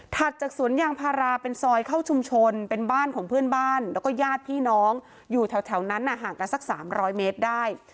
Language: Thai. จากสวนยางพาราเป็นซอยเข้าชุมชนเป็นบ้านของเพื่อนบ้านแล้วก็ญาติพี่น้องอยู่แถวนั้นห่างกันสัก๓๐๐เมตรได้